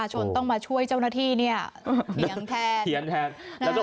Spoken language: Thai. กลับมาเล่าให้ฟังครับ